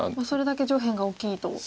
それだけ上辺が大きいと。